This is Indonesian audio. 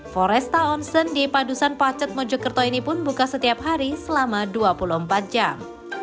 foresta onsen di padusan pacet mojokerto ini pun buka setiap hari selama dua puluh empat jam